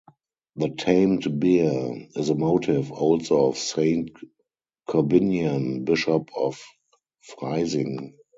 The tamed bear is a motif also of Saint Corbinian, bishop of Freising.